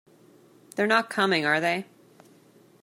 They're not coming, are they?